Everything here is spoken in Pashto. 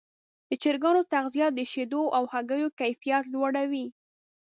د چرګانو تغذیه د شیدو او هګیو کیفیت لوړوي.